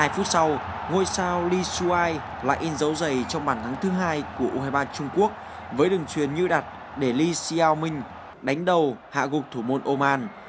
hai phút sau ngôi sao li shuai lại in dấu dày trong bản thắng thứ hai của u hai mươi ba trung quốc với đường truyền như đặt để li xiaoming đánh đầu hạ gục thủ môn oman